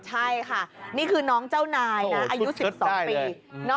ใช่ค่ะนี่คือน้องเจ้านายนะอายุ๑๒ปี